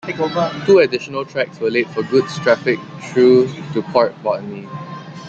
Two additional tracks were laid for goods traffic through to Port Botany.